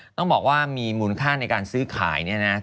ต้องบอกว่ามีมูลค่าในการซื้อขายเนี่ยนะ